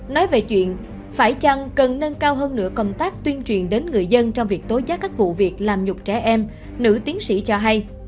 nói về chuyện phải chăng cần nâng cao hơn nữa công tác tuyên truyền đến người dân trong việc tối giác các vụ việc làm nhục trẻ em nữ tiến sĩ cho hay